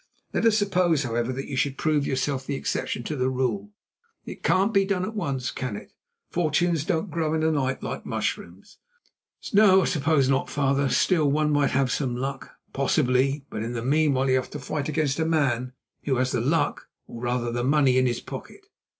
Let us suppose, however, that you should prove yourself the exception to the rule, it can't be done at once, can it? Fortunes don't grow in a night, like mushrooms." "No, I suppose not, father. Still, one might have some luck." "Possibly. But meanwhile you have to fight against a man who has the luck, or rather the money in his pocket."